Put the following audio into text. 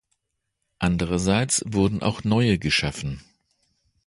Andererseits wurden auch neue geschaffen.